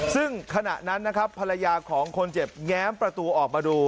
ซึ่งขณะนั้นนะครับภรรยาของคนเจ็บแง้มประตูออกมาดู